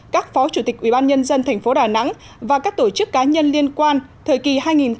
các phó chủ tịch ubnd tp đà nẵng và các tổ chức cá nhân liên quan thời kỳ hai nghìn một mươi sáu hai nghìn một mươi tám